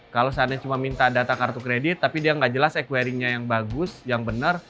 kalau seandainya cuma minta data kartu kredit tapi dia nggak jelas equaringnya yang bagus yang benar